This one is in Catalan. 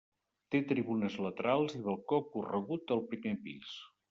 Té tribunes laterals i balcó corregut al primer pis.